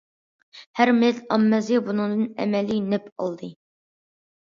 ھەر مىللەت ئاممىسى بۇنىڭدىن ئەمەلىي نەپ ئالدى.